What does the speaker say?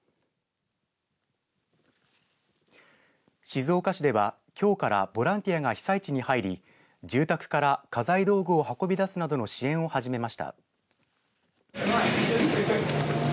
静岡市では、きょうからボランティアが被災地に入り住宅から家財道具を運び出すなどの支援を始めました。